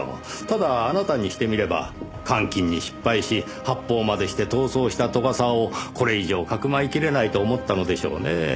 ただあなたにしてみれば換金に失敗し発砲までして逃走した斗ヶ沢をこれ以上かくまいきれないと思ったのでしょうねぇ。